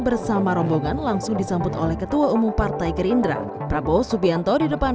bersama rombongan langsung disambut oleh ketua umum partai gerindra prabowo subianto di depan